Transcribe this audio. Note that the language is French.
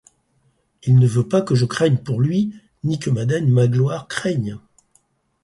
Il ne veut pas que je craigne pour lui, ni que madame Magloire craigne.